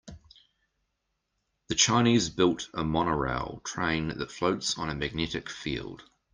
The Chinese built a monorail train that floats on a magnetic field.